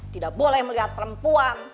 tidak boleh melihat perempuan